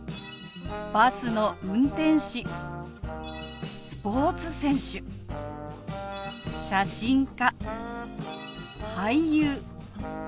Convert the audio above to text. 「バスの運転士」「スポーツ選手」「写真家」「俳優」